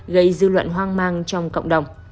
gây dư luận hoang mang trong cộng đồng